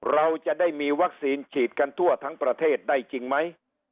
เราจะได้มีวัคซีนฉีดกันทั่วทั้งประเทศได้จริงไหม